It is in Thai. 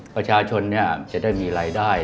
ประชาชนจะได้มีรายได้